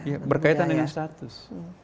ya berkaitan dengan status